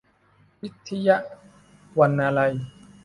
ฤทธิยะวรรณาลัย